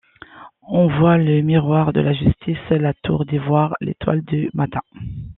On voit le miror de la justice, la tour d'ivoire, l'étoile du matin.